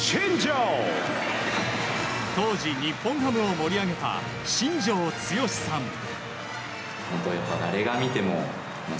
当時、日本ハムを盛り上げた新庄剛志さん。